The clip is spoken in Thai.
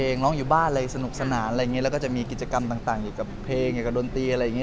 ร้องอยู่บ้านอะไรสนุกสนานอะไรอย่างนี้แล้วก็จะมีกิจกรรมต่างเกี่ยวกับเพลงอยู่กับดนตรีอะไรอย่างนี้